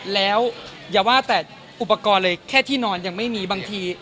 แล้วอย่าว่าแต่อุปกรณ์เลยแค่ที่นอนยังไม่มีบางที